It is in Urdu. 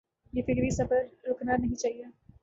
یہ فکری سفر رکنا نہیں چاہیے۔